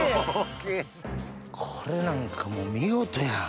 これなんかもう見事やん！